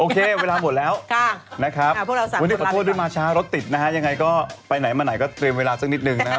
เวลาหมดแล้วนะครับวันนี้ขอโทษด้วยมาช้ารถติดนะฮะยังไงก็ไปไหนมาไหนก็เตรียมเวลาสักนิดนึงนะครับ